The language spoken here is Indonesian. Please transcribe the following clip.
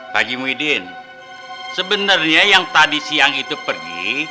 pak haji muhyiddin sebenernya yang tadi siang itu pergi